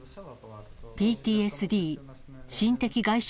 ＰＴＳＤ・心的外傷